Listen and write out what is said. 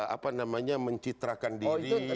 apa namanya mencitrakan diri